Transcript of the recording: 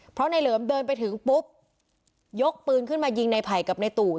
เพราะในเหลิมเดินไปถึงปุ๊บยกปืนขึ้นมายิงในไผ่กับในตู่